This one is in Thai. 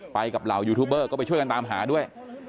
ไปกับเหล่ายูทูบเบอร์ก็ไปช่วยกันตามหาด้วย